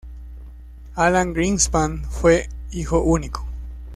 Alan Greenspan fue hijo único.